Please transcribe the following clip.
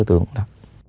đối tượng đó